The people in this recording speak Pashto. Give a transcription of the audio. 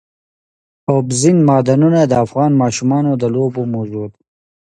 اوبزین معدنونه د افغان ماشومانو د لوبو موضوع ده.